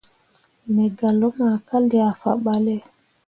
Me gah luma ka liah faɓalle.